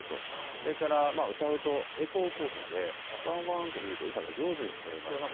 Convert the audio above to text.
それから、歌うとエコー効果でワンワンと響いて歌が上手に聴こえますし。